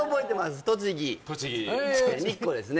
栃木日光ですね